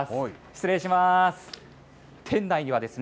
失礼します。